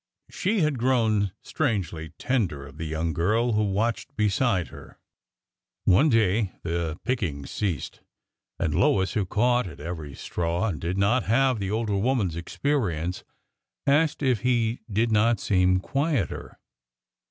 She had grown strangely tender of the young girl who watched beside her. One day the picking ceased, and Lois, who caught at every straw and did not have the older woman's experi ence, asked if he did not seem quieter.